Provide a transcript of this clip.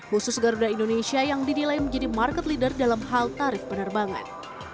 khusus garuda indonesia yang dinilai menjadi market leader dalam hal tarif penerbangan